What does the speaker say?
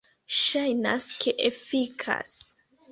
Ŝajnas ke efikas.